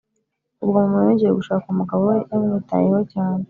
Ubwo mama yongeye gushaka umugabo we yamwitayeho cyane